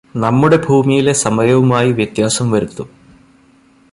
നമ്മുടെ ഭൂമിയിലെ സമയവുമായി വ്യത്യാസം വരുത്തും